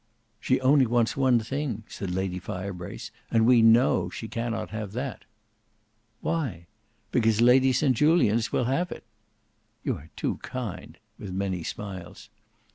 "She only wants one thing," said Lady Firebrace, "and we know she cannot have that." "Why?" "Because Lady St Julians will have it." "You are too kind," with many smiles.